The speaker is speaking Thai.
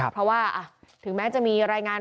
เพราะว่าถึงแม้จะมีรายงาน